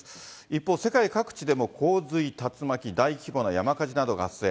一方、世界各地でも洪水、竜巻、大規模な山火事などが発生。